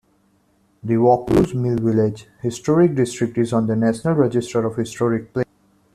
The Vaucluse Mill Village Historic District is on the National Register of Historic Places.